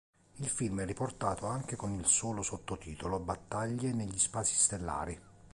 Il film è riportato anche con il solo sottotitolo Battaglie negli spazi stellari.